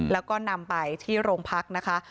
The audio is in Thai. แล้วก็นำไปที่โรงพักนะคะ